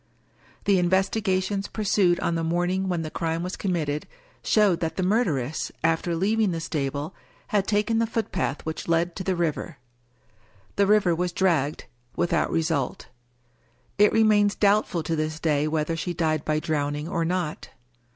The investigations pursued on the morning when the crime was committed showed that the murderess, after leav ing the stable, had taken the footpath which led to the river. The river was dragged — ^without result. It remains doubtful to this day whether she died by drowning or not.